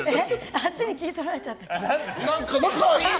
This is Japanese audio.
あっちに気を取られちゃって。